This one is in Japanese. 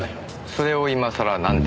それを今さらなんで？